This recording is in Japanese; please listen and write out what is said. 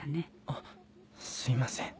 あっすいません。